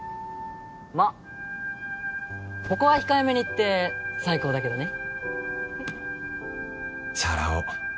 まっここは控えめに言って最高だけどね